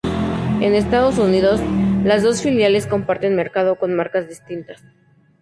En Estados Unidos, las dos filiales comparten mercado con marcas distintas.